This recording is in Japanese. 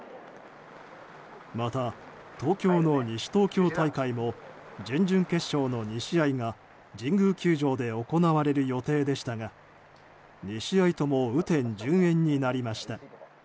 また、東京の西東京大会も準々決勝の２試合が神宮球場で行われる予定でしたが２試合とも雨天順延になりました。